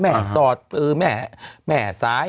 แหมสอดแหมสาย